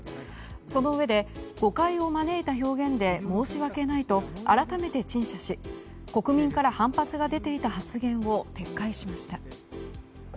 そのうえで誤解を招いた表現で申し訳ないと改めて陳謝し国民から反発が出ていた発言を撤回しました。